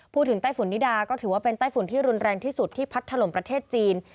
ไต้ฝุ่นนิดาก็ถือว่าเป็นไต้ฝุ่นที่รุนแรงที่สุดที่พัดถล่มประเทศจีน